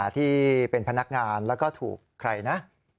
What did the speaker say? ที่เป็นพนักงานแล้วก็ถูกใครนะ